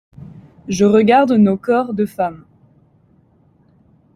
Je regarde nos corps de femmes.